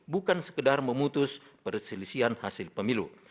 bukan sekedar memutus perselisihan hasil pemilu